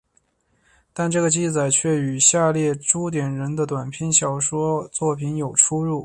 但这个记载却与下列朱点人的短篇小说作品有出入。